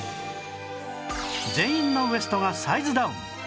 全員のウエストがサイズダウン